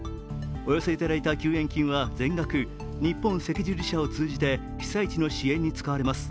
お寄せいただいた救援金は全額日本赤十字社を通じて被災地の支援に使われます。